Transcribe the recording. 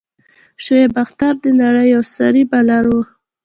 شعیب اختر د نړۍ یو سريع بالر وو.